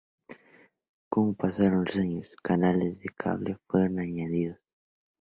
Como pasaron los años, canales de cable fueron añadidos.